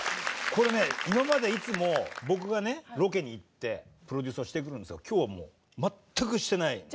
これね今までいつも僕がロケに行ってプロデュースはしてくるんですが今日はもう全くしてない。